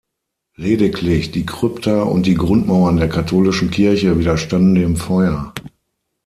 Lediglich die Krypta und die Grundmauern der katholischen Kirche widerstanden dem Feuer.